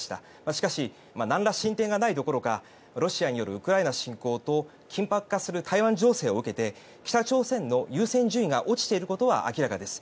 しかしなんら進展がないどころかロシアによるウクライナ侵攻と緊迫化する台湾情勢を受けて北朝鮮の優先順位が落ちていることは明らかです。